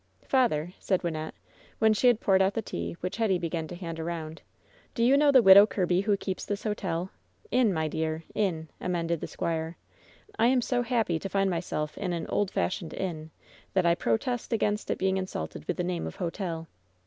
"Father," said Wynnette, when she had poured out the tea, which Hetty began to hand around, "do you know the Widow Kirby who keeps this hotel ^" "Inn, my dear — inn," amended the squire. "I am so happy to find myself in an old fashioned inn that I protest against its being insulted with the name of hotel."